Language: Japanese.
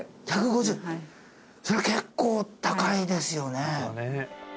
それは結構高いですよね